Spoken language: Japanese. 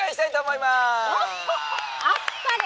「あっぱれ！」。